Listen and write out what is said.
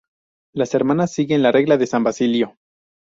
Las hermanas siguen la Regla de san Basilio.